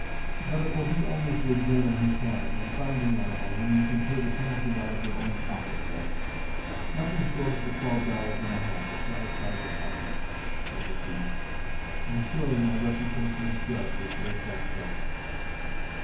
But it will be only to examine his cabin, and find the animal, when you can pay the penalty out of your own pocket, Bess. Nothing short of the twelve dollars and a half will satisfy this harpy, I perceive; and surely my reputation as judge is worth that trifle."